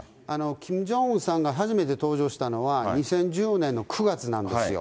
キム・ジョンウンさんが初めて登場したのは２０１０年の９月なんですよ。